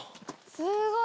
すごい。